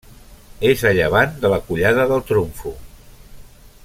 És a llevant de la Collada del Trumfo.